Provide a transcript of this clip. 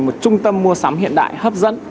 một trung tâm mua sắm hiện đại hấp dẫn